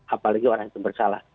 apalagi orang yang bersalah